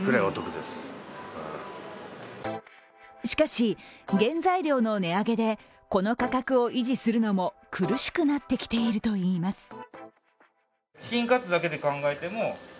しかし、原材料の値上げでこの価格を維持するのも苦しくなってきているといいます。